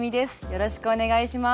よろしくお願いします。